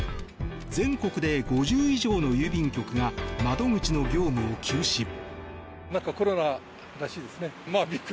全国で５０以上の郵便局が窓口の業務を休止。